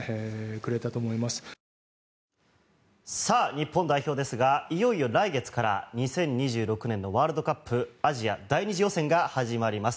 日本代表ですがいよいよ来月から２０２６年のワールドカップアジア第２次予選が始まります。